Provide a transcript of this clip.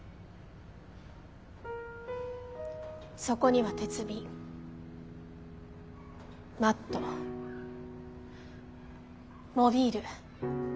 そこには鉄瓶マットモビール。